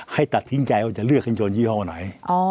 ให้ตัดสินใจว่าจะเลือกเครื่องยนยี่ห้อไหน